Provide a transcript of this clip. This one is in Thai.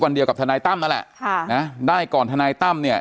เดียวกับทนายตั้มนั่นแหละค่ะนะได้ก่อนทนายตั้มเนี่ย